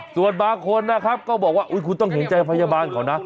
ส่วนบางคนนะครับก็บอกว่าคุณต้องเห็นใจพยาบาลเขานะ